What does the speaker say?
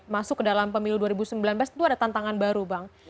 masuk ke dalam pemilu dua ribu sembilan belas itu ada tantangan baru bang